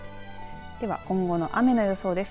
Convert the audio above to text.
では今後の雨の予想です。